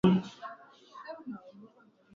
anasema amefurahishwa na uwamuzi huo